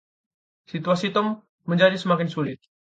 Situasi Tom menjadi semakin sulit.